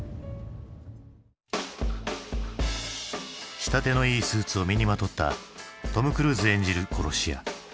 仕立てのいいスーツを身にまとったトム・クルーズ演じる殺し屋。